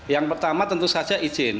yang pertama tentu saja izin